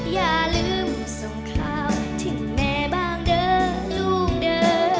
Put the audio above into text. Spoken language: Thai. อย่าลืมส่งข่าวถึงแม่บ้างเด้อลูกเด้อ